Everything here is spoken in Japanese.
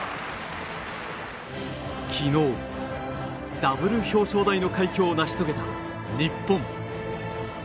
昨日、ダブル表彰台の快挙を成し遂げた日本。